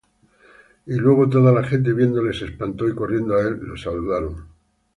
Y luego toda la gente, viéndole, se espantó, y corriendo á él, le saludaron.